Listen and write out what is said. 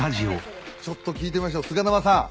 ちょっと聞いてみましょう菅沼さん。